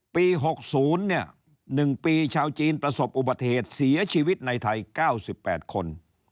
ปี๖๐๑ปีชาวจีนประสบอุบัติเหตุเสียชีวิตในไทย๙๘คน